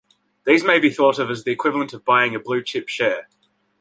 These may be thought of as the equivalent of buying a blue chip share.